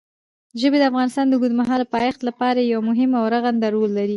ژبې د افغانستان د اوږدمهاله پایښت لپاره یو مهم او رغنده رول لري.